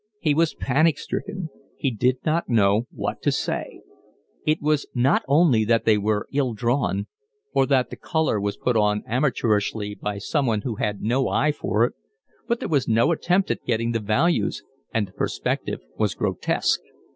He was panic stricken. He did not know what to say. It was not only that they were ill drawn, or that the colour was put on amateurishly by someone who had no eye for it; but there was no attempt at getting the values, and the perspective was grotesque.